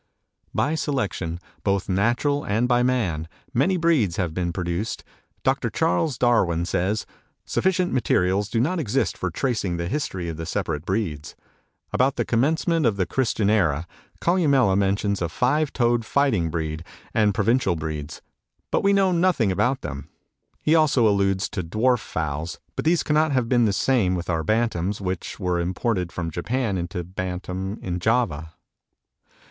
By selection, both natural and by man, many breeds have been produced. Dr. Charles Darwin says: "Sufficient materials do not exist for tracing the history of the separate breeds. About the commencement of the Christian era, Columella mentions a five toed fighting breed, and provincial breeds; but we know nothing about them. He also alludes to dwarf fowls; but these cannot have been the same with our Bantams, which were imported from Japan into Bantam in Java.